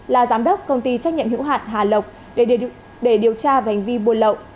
là giám đốc công ty trách nhiệm hữu hạn hà lộc để điều tra về hành vi buôn lậu